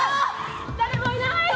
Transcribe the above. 「誰もいない！」。